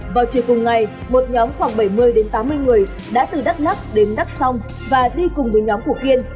vào chiều cùng ngày một nhóm khoảng bảy mươi tám mươi người đã từ đắk lắc đến đắk xong và đi cùng với nhóm của kiên